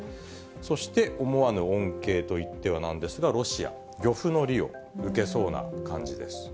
そして思わぬ恩恵と言ってはなんですが、ロシア、漁夫の利を受けそうな感じです。